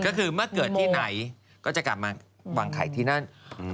ก็คือเมื่อเกิดที่ไหนก็จะกลับมาวางไข่ที่นั่น